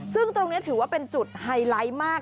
ซึ่งตรงนี้ถือว่าเป็นจุดไฮไลท์มาก